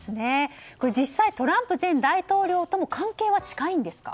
実際トランプ前大統領とも関係は近いんですか？